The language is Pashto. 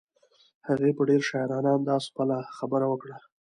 هغې په ډېر شاعرانه انداز خپله خبره وکړه.